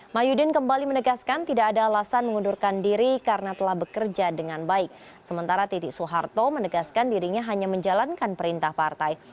mahyudin kembali menegaskan tidak ada alasan mengundurkan diri karena telah bekerja dengan baik sementara titik soeharto menegaskan dirinya hanya menjalankan perintah partai